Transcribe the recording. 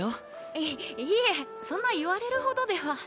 いいえそんな言われるほどでは。